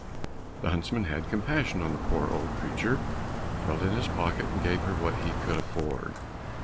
The huntsman had compassion on the poor old creature, felt in his pocket, and gave her what he could afford.